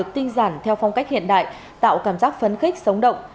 theo phong cách hiện đại tạo cảm giác phấn khích sống động